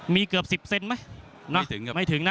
มีเกือบ๑๐เซนต์ไหมไม่ถึงครับไม่ถึงนะ